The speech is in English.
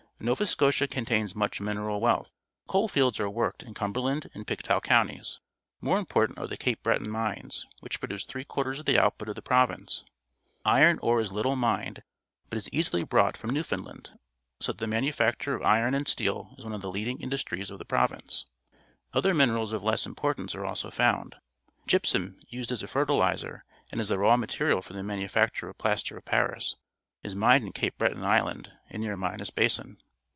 — Nova Scotia contains much min eral wealth. Coal fields are worked in Cum berland and Pictou counties. More important are t he Ca pe Breton mines, which produce three quarters of the output of the province. Iron ore is little mined but is easily brought from Newfoundland, so that the manufacture 102 PUBLIC SCHOOL GEOGRAPHY of iron an d steel_is one of the leading indus jtries of the province. Other minerals of less importance are also found. Gypsum , used as a fertilizer and as the raw material for the manufacture of plaster of PariSj, is mined in Cape Breton Island an^ near Minas Basin.